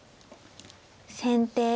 先手